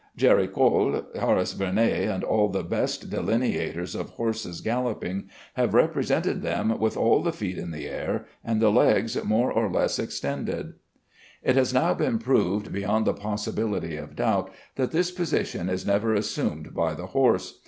Géricault, Horace Vernet, and all the best delineators of horses galloping, have represented them with all the feet in the air and the legs more or less extended. It has now been proved, beyond the possibility of doubt, that this position is never assumed by the horse.